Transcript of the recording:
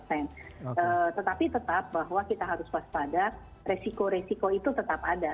tetapi tetap bahwa kita harus waspada resiko resiko itu tetap ada